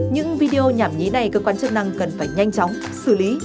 những video nhảm nhí này cơ quan chức năng cần phải nhanh chóng xử lý